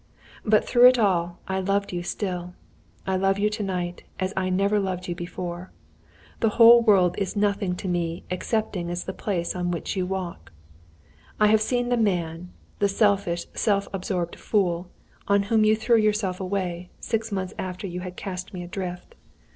But, through it all, I loved you still. I love you to night, as I never loved you before. The whole world is nothing to me, excepting as the place on which you walk. "I have seen the man the selfish, self absorbed fool on whom you threw yourself away, six months after you had cast me adrift.